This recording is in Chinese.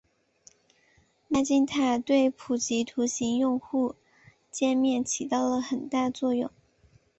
麦金塔对普及图形用户界面起到了很大作用。